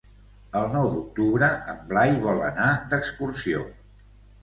El nou d'octubre en Blai vol anar d'excursió.